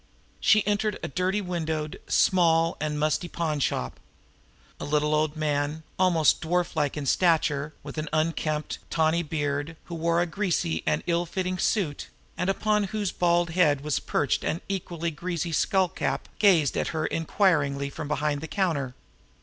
She entered a dirty windowed, small and musty pawnshop. A little old man, almost dwarf like in stature, with an unkempt, tawny beard, who wore a greasy and ill fitting suit, and upon whose bald head was perched an equally greasy skull cap, gazed at her inquiringly from behind the counter.